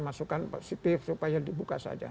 masukan positif supaya dibuka saja